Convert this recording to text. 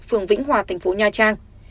phường vĩnh hòa thành phố nha trang